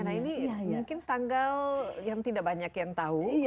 nah ini mungkin tanggal yang tidak banyak yang tahu